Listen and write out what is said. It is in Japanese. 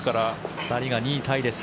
２人が２位タイでした。